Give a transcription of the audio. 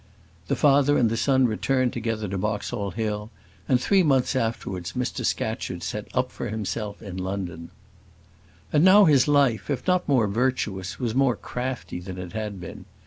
The father and the son returned together to Boxall Hill, and three months afterwards Mr Scatcherd set up for himself in London. And now his life, if not more virtuous, was more crafty than it had been.